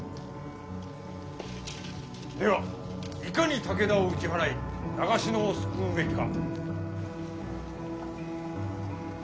ではいかに武田を打ち払い長篠を救うべきか。